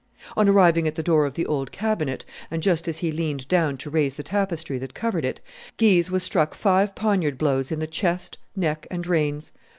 On arriving at the door of the old cabinet, and just as he leaned down to raise the tapestry that covered it, Guise was struck five poniard blows in the chest, neck, and reins.